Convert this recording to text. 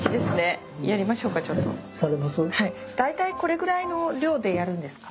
大体これくらいの量でやるんですか？